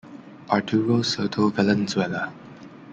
Arturo Soto Valenzuela.